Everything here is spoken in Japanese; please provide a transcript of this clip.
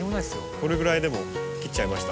これぐらいでも切っちゃいました。